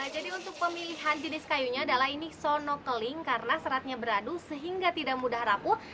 jadi untuk pemilihan jenis kayunya adalah ini sono keling karena seratnya beradu sehingga tidak mudah rapuh